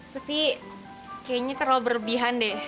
tapi kayaknya terlalu berlebihan deh